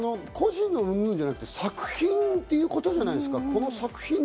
個人云々じゃなくて作品ということじゃないですか？